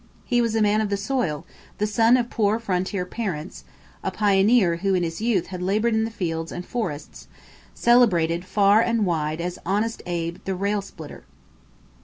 He was a man of the soil, the son of poor frontier parents, a pioneer who in his youth had labored in the fields and forests, celebrated far and wide as "honest Abe, the rail splitter."